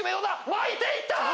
巻いていったよ！